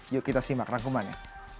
yuk kita simak rangkumannya